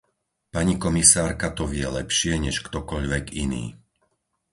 Pani komisárka to vie lepšie než ktokoľvek iný.